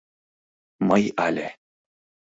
Мый але